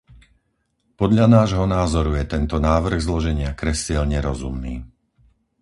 Podľa nášho názoru je tento návrh zloženia kresiel nerozumný.